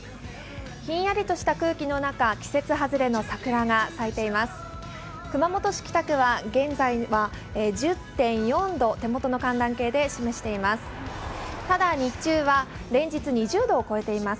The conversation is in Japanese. ひんやりとした空気の中、季節外れの桜が咲いています。